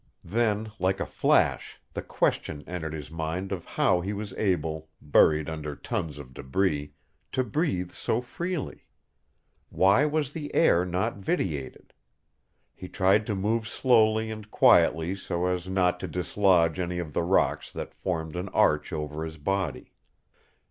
Then, like a flash, the question entered his mind of how he was able, buried under tons of debris, to breathe so freely. Why was the air not vitiated? He tried to move slowly and quietly so as not to dislodge any of the rocks that formed an arch over his body.